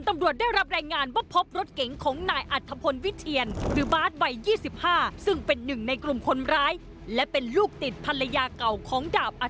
ตำรวจได้รับแรงงานว่าพบรถเก่งของนายอธพรวิเทียน